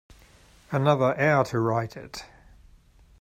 Another hour to write it.